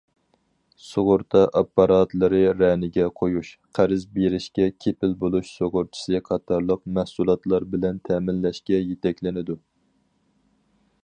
سۇغۇرتا ئاپپاراتلىرى رەنىگە قويۇش، قەرز بېرىشكە كېپىل بولۇش سۇغۇرتىسى قاتارلىق مەھسۇلاتلار بىلەن تەمىنلەشكە يېتەكلىنىدۇ.